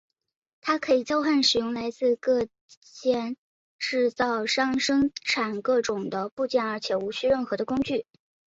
它可以交换使用来自各间制造商生产各种的部件而且无需任何的工具。